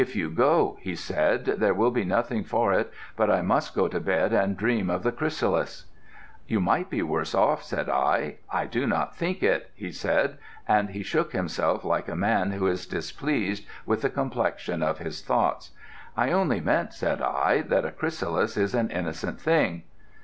'If you go,' he said, 'there will be nothing for it but I must go to bed and dream of the chrysalis.' 'You might be worse off,' said I. 'I do not think it,' he said, and he shook himself like a man who is displeased with the complexion of his thoughts. 'I only meant,' said I, 'that a chrysalis is an innocent thing.'